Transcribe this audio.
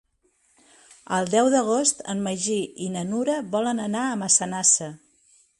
El deu d'agost en Magí i na Nura volen anar a Massanassa.